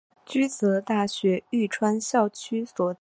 驹泽大学玉川校区所在地。